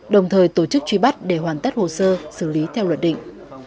đồng thời tổ chức truy bắt để hoàn tất hồ sơ xử lý theo luật định